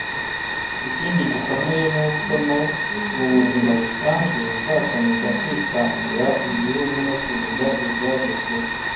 Ikindi gikomeye ni uko no mu buzima busanzwe nzakomeza kwitangira igihugu no kurinda ibyagezweho